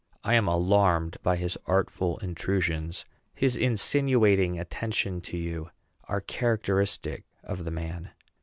I am alarmed by his artful intrusions. His insinuating attentions to you are characteristic of the man.